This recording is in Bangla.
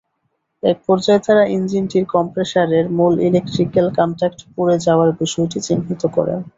একপর্যায়ে তাঁরা ইঞ্জিনটির কম্প্রেসারের মূল ইলেকট্রিক্যাল কন্ট্যাক্ট পুড়ে যাওয়ার বিষয়টি চিহ্নিত করেন।